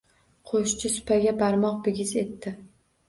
Qo‘shchi supaga barmoq bigiz etdi.